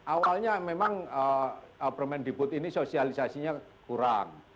awalnya memang permendikbud ini sosialisasinya kurang